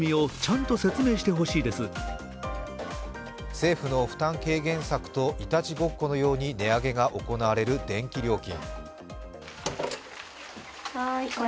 政府の負担軽減策といたちごっこのように値上げが行われる電気料金。